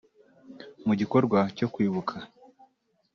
Mu gikorwa cyo kwibuka